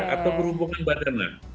atau berhubungan badan lah